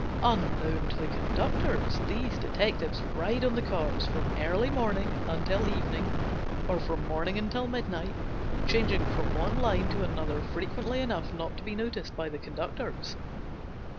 Unknown to the conductors these detectives ride on the cars from early morning until evening, or from morning until midnight, changing from one line to another frequently enough not to be noticed by the conductors.